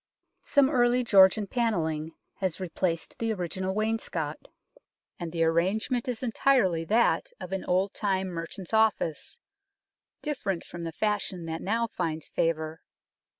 Some early Georgian panelling has replaced the original wainscot, and the arrangement is entirely that of an old time merchant's office, different from the fashion that now finds favour.